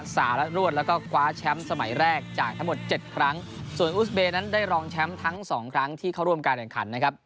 สารรวดแล้วก็คว้าแชมป์สมัยแรกจากทั้งหมดเจ็ดครั้งส่วนอุสเบย์นั้นได้รองแชมป์ทั้งสองครั้งที่เข้าร่วมการแข่งขันนะครับ